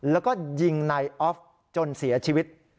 แล้วก็ยิงนายออฟจนเสียชีวิต